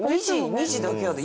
２字だけやで。